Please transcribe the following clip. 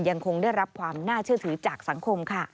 ยังคงได้รับความน่าเชื่อถือจากสังคมค่ะ